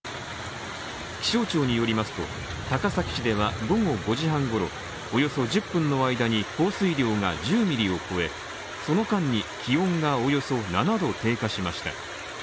気象庁によりますと、高崎市では午後５時半ごろ、およそ１０分の間に降水量が１０ミリを超え、その間に気温がおよそ７℃低下しました。